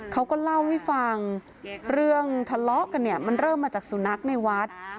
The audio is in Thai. เขาก็เล่าให้ฟังเรื่องทะเลาะกันเนี่ยมันเริ่มมาจากสุนัขในวัด